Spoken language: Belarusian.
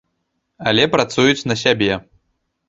Але працуюць на сябе.